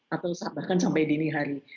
atau bahkan sampai dini hari